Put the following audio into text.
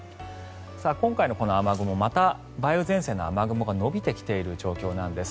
今回のこの雨雲また梅雨前線の雨雲が延びてきている状況なんです。